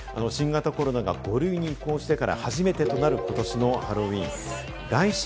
新型コロナ禍が５類に移行してから、初めてとなる今年のハロウィーン。